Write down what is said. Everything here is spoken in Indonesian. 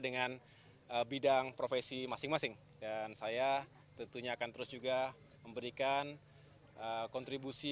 dengan bidang profesi masing masing dan saya tentunya akan terus juga memberikan kontribusi